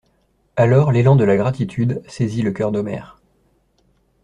Alors l'élan de la gratitude saisit le cœur d'Omer.